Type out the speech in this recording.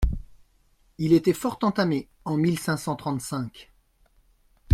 Il était fort entamé en mille cinq cent trente-cinq.